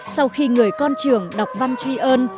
sau khi người con trưởng đọc văn truy ơn